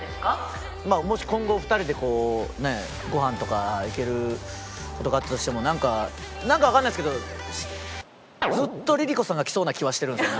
まあもし今後２人でこうねごはんとか行ける事があったとしてもなんかわかんないですけどずっとＬｉＬｉＣｏさんが来そうな気はしてるんですよね。